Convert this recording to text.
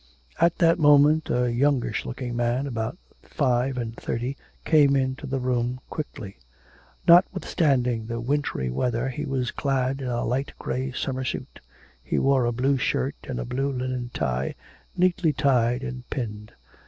At that moment a youngish looking man, about five and thirty, came into the room quickly. Notwithstanding the wintry weather he was clad in a light grey summer suit; he wore a blue shirt and a blue linen tie, neatly tied and pinned.